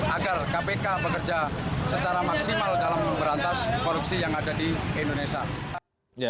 agar kpk bekerja secara maksimal dalam memberantas korupsi yang ada di indonesia